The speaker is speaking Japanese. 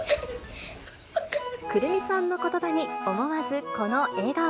来泉さんのことばに、思わずこの笑顔。